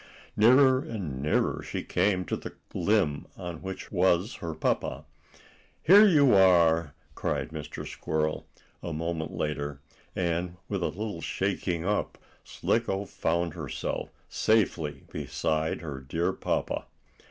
Nearer and nearer she came to the limb on which was her papa. "Here you are!" cried Mr. Squirrel, a moment later, and with a little shaking up, Slicko found herself safely beside her dear papa.